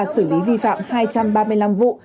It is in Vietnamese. xử lý vi phạm hai trăm ba mươi năm vụ